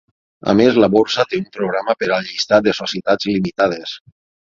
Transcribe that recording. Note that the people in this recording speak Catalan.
A més, la borsa té un programa per al llistat de Societats Limitades.